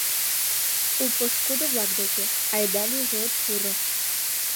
У пошкудо-влак деке айда-лийже от пуро.